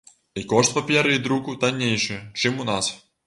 І кошт паперы і друку таннейшы, чым у нас.